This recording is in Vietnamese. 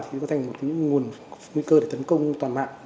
thì nó thành một nguồn nguy cơ để tấn công toàn mạng